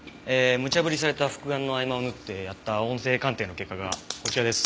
無茶ぶりされた復顔の合間を縫ってやった音声鑑定の結果がこちらです。